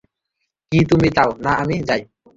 কি, তুমি চাও না আমি যাই?